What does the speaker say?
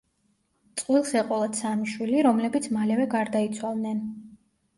წყვილს ეყოლათ სამი შვილი, რომლებიც მალევე გარდაიცვალნენ.